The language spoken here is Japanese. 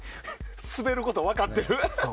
スベること分かってる。